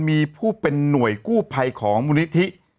มีผู้เป็นหน่วยกู้ภัยของมูลนิธิ